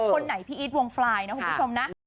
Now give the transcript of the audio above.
คนไหนพี่อีทวงฟลายนะคุณผู้ชมนะ